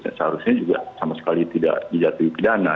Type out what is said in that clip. seharusnya juga sama sekali tidak dijatuhi pidana